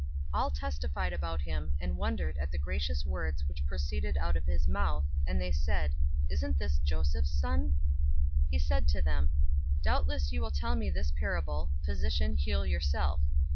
004:022 All testified about him, and wondered at the gracious words which proceeded out of his mouth, and they said, "Isn't this Joseph's son?" 004:023 He said to them, "Doubtless you will tell me this parable, 'Physician, heal yourself!